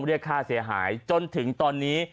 เรียกค่าเสียหายจนถึงตอนนี้